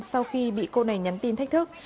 sau khi bị cô này nhắn tin thách thức